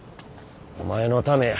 お前のためや。